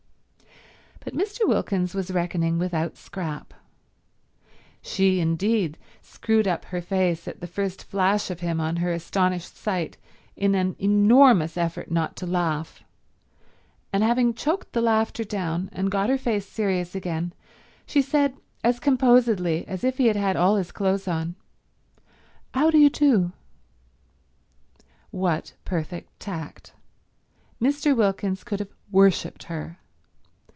But Mr. Wilkins was reckoning without Scrap. She, indeed, screwed up her face at the first flash of him on her astonished sight in an enormous effort not to laugh, and having choked the laughter down and got her face serious again, she said as composedly as if he had had all his clothes on, "How do you do." What perfect tact. Mr. Wilkins could have worshipped her.